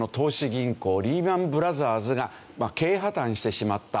銀行リーマン・ブラザーズが経営破綻してしまった。